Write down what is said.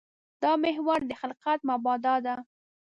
دا محور د خلقت مبدا ده.